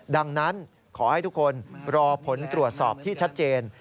ดังนั้นขอให้ทุกคนรอผลตรวจสอบที่ชัดเจน